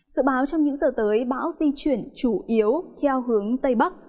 sự báo trong những giờ tới bão di chuyển chủ yếu theo hướng tây bắc